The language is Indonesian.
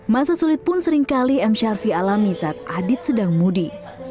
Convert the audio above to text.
masa sulit pun seringkali mc arfi alami saat adit sedang mudi